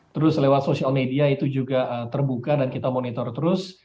terus lewat sosial media itu juga terbuka dan kita monitor terus